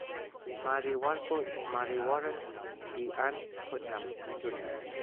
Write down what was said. Mary Walcott, Mary Warren y Ann Putnam, Jr.